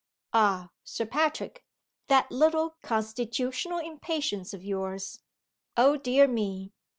"Ah, Sir Patrick! that little constitutional impatience of yours! Oh, dear me!